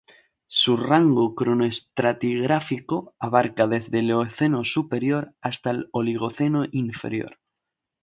Su rango cronoestratigráfico abarca desde el Eoceno superior hasta el Oligoceno inferior.